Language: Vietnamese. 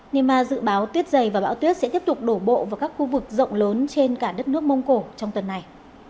nema dự báo tuyết dày và bão tuyết sẽ tiếp tục đổ bộ vào các khu vực rộng lớn trên cả đất nước mông cổ trong tuần này